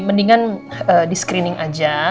mendingan di screening aja